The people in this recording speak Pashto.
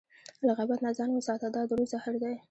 له غیبت نه ځان وساته، دا د روح زهر دی.